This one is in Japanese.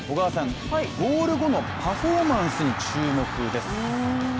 ゴール後のパフォーマンスに注目です。